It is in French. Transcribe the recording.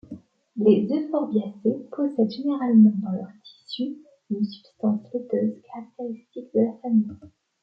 Les euphorbiacées possèdent généralement dans leurs tissus une substance laiteuse caractéristique de la famille.